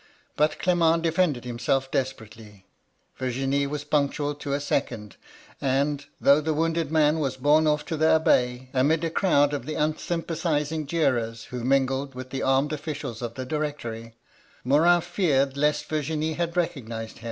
But Clement defended himself desperately: Virginie was punctual to a second ; and, though the wounded man was borne off to the Abbaye, amid a crowd of the unsympathising jeerers who mingled with the armed oflBcials of the Directory, Morin feared lest Virginie had recognised 174 MY LADY LUDLOW.